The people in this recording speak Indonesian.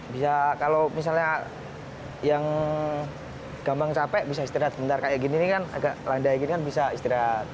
bisa kalau misalnya yang gampang capek bisa istirahat sebentar kayak gini ini kan agak landai gini kan bisa istirahat